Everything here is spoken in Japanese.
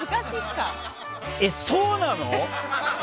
えっそうなの！？